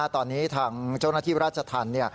ตอนนี้ทางเจ้าหน้าที่ราชธรรม